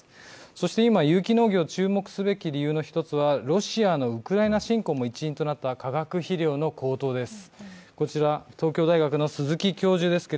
そして、有機農業に注目すべき１つは、ロシアのウクライナ侵攻の一因となった化学肥料の高騰です。